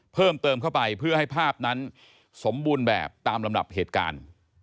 เพิ่มเติมเข้าไปเพื่อให้ภาพนั้นสมบูรณ์แบบตามลำดับเหตุการณ์